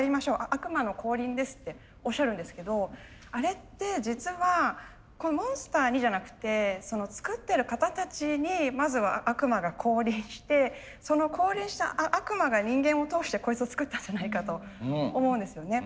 悪魔の降臨です」っておっしゃるんですけどあれって実はモンスターにじゃなくて作ってる方たちにまずは悪魔が降臨してその降臨した悪魔が人間を通してこいつを作ったんじゃないかと思うんですよね。